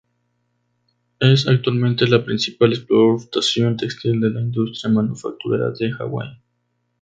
Es actualmente la principal exportación textil de la industria manufacturera de Hawái.